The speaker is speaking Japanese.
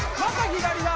左だ！